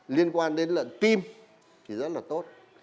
liên quan đến lợn tim thì rất là tốt